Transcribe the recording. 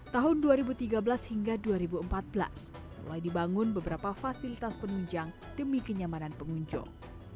tahun dua ribu tiga belas hingga dua ribu empat belas mulai dibangun beberapa fasilitas penunjang demi kenyamanan pengunjung